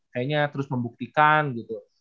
kayaknya terus membuktikan gitu